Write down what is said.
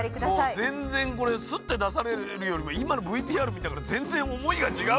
もう全然これスッて出されるよりも今のＶＴＲ見たから全然思いが違うね。